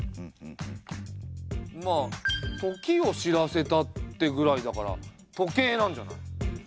まあ「時を知らせた」ってぐらいだから時計なんじゃない？